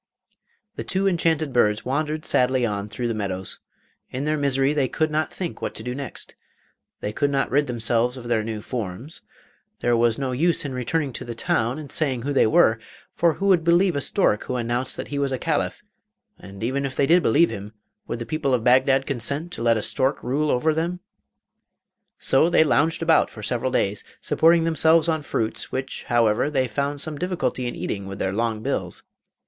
The two enchanted birds wandered sadly on through the meadows. In their misery they could not think what to do next. They could not rid themselves of their new forms; there was no use in returning to the town and saying who they were; for who would believe a stork who announced that he was a Caliph; and even if they did believe him, would the people of Bagdad consent to let a stork rule over them? So they lounged about for several days, supporting themselves on fruits, which, however, they found some difficulty in eating with their long bills.